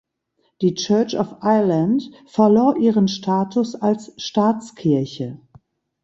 Die Church of Ireland verlor ihren Status als Staatskirche.